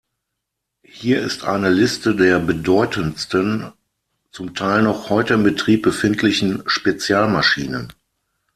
Hier ist eine Liste der bedeutendsten, zum Teil noch heute in Betrieb befindlichen Spezialmaschinen.